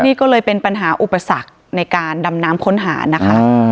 นี่ก็เลยเป็นปัญหาอุปสรรคในการดำน้ำค้นหานะคะ